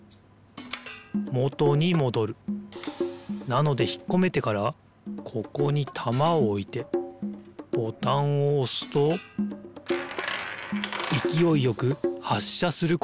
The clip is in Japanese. なのでひっこめてからここにたまをおいてボタンをおすといきおいよくはっしゃすることができる。